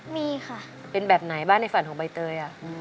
มีค่ะเป็นแบบไหนบ้างในฝันของใบเตย